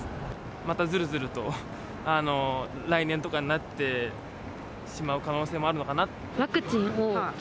またずるずると来年とかになってしまう可能性もあるのかなと。